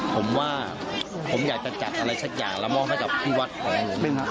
ผมว่าผมอยากจะจัดอะไรสักอย่างแล้วมอบให้กับที่วัดของผม